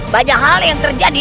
banyak hal yang terjadi